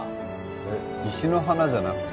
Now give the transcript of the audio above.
えっ石の花じゃなくて？